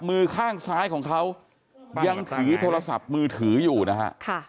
มือข้างซ้ายของเขายังถือโทรศัพท์มือถืออยู่นะฮะ